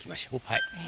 はい。